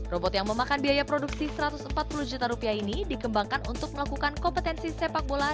robot yang memakan biaya produksi satu ratus empat puluh juta rupiah ini dikembangkan untuk melakukan kompetensi sepak bola